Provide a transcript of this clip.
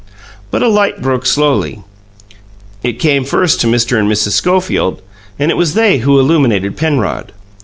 But a light broke slowly; it came first to Mr. and Mrs. Schofield, and it was they who illuminated Penrod.